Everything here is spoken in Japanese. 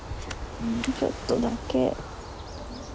ちょっとだけ。